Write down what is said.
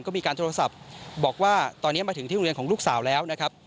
ก็มีการโทรศัพท์บอกว่าตอนนี้มาถึงที่โรงเรียนของลูกสาวแล้วนะครับ